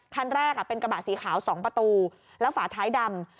คันแรกเป็นกระบะสีขาว๒ประตูแล้วฝาท้ายดำ